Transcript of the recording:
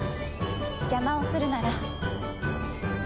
邪魔をするなら。